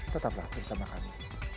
tetaplah bersama kami